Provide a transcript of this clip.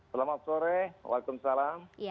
selamat sore waalaikumsalam